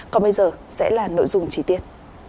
còn bây giờ sẽ là nội dung trí tiết